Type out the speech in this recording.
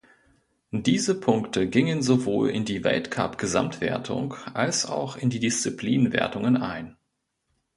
Diese Punkte gingen sowohl in die Weltcup-Gesamtwertung als auch in die Disziplinenwertungen ein.